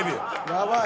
ヤバい。